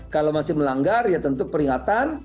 kalau masih melanggar ya tentu peringatan